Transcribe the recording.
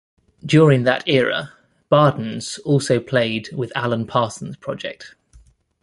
During that era, Bardns also played with Alan Parsons Project.